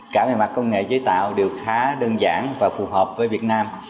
cả mặt công nghệ giới tạo đều khá đơn giản và phù hợp với việt nam